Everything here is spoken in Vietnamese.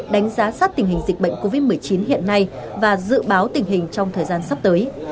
đánh giá sát tình hình dịch bệnh covid một mươi chín hiện nay và dự báo tình hình trong thời gian sắp tới